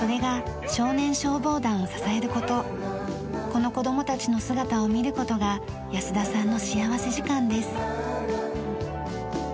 この子どもたちの姿を見る事が安田さんの幸福時間です。